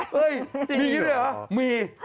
เฮ้ยมีอยู่ด้วยเหรอมี